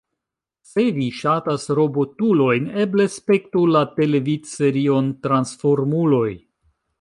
Se vi ŝatas robotulojn, eble spektu la televidserion Transformuloj.